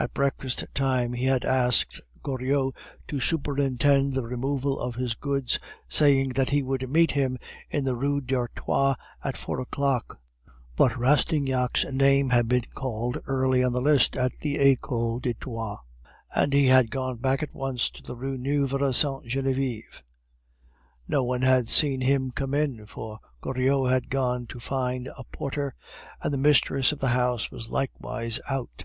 At breakfast time he had asked Goriot to superintend the removal of his goods, saying that he would meet him in the Rue d'Artois at four o'clock; but Rastignac's name had been called early on the list at the Ecole de Droit, and he had gone back at once to the Rue Nueve Sainte Genevieve. No one had seen him come in, for Goriot had gone to find a porter, and the mistress of the house was likewise out.